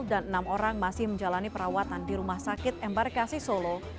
dan enam orang masih menjalani perawatan di rumah sakit embarkasi solo